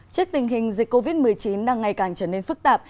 trước tình hình dịch covid một mươi chín đang ngày càng trở nên phức tạp